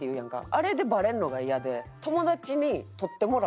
あれでバレるのがイヤで。